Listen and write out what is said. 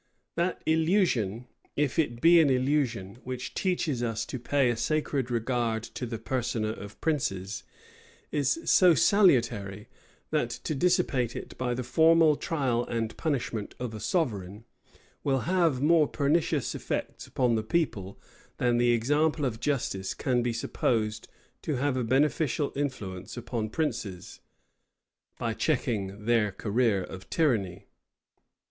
That illusion, if it be an illusion, which teaches us to pay a sacred regard to the persona of princes, is so salutary, that to dissipate it by the formal trial and punishment of a sovereign, will have more pernicious effects upon the people, than the example of justice can be supposed to have a beneficial influence upon princes, by checking their career of tyranny.